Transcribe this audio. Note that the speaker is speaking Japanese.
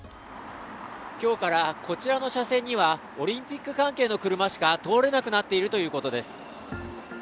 今日からこちらの車線にはオリンピック関係の車しか通れなくなっているということです。